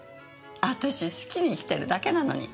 私好きに生きてるだけなのに。